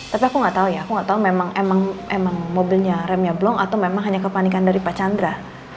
tapi aku gak tau ya aku gak tau memang mobilnya remnya blong atau memang hanya kepanikan dari pak chandra